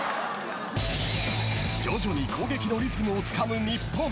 徐々に攻撃のリズムをつかむ日本。